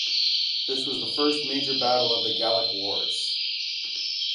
This was the first major battle of the Gallic Wars.